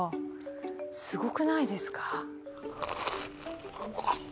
すごくないですか？